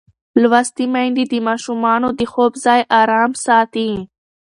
لوستې میندې د ماشومانو د خوب ځای ارام ساتي.